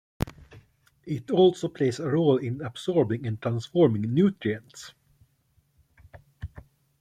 It also plays a role in absorbing and transforming nutrients.